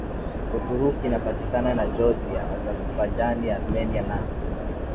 Uturuki inapakana na Georgia Azabajani Armenia na